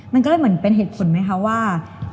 มันก็เลยเหมือนเป็นเหตุผลไหมคะว่า